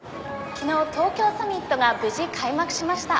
昨日東京サミットが無事開幕しました。